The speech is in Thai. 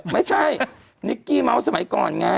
ไม่ใช่นิกกี้เมาส์สมัยก่อนไง